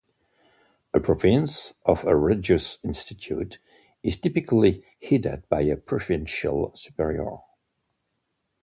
A province of a religious institute is typically headed by a provincial superior.